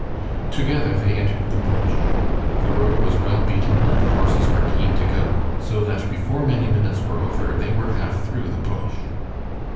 Together they entered the bush. The road was well beaten and the horses were keen to go, so that before many minutes were over they were half through the bush.